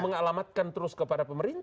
mengalamatkan terus kepada pemerintah